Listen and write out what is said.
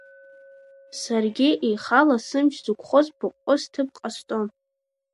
Саргьы еихала сымч зықәхоз ԥыҟҟо сҭыԥ ҟасҵон.